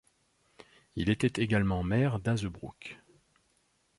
Il était également maire d'Hazebrouck.